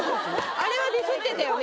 あれはディスってたよね